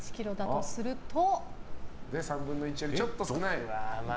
３分の１よりちょっと少ない。